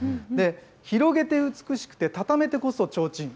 広げて美しくて、畳めてこそちょうちん。